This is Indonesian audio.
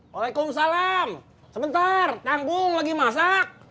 waalaikumsalam sebentar tanggung lagi masak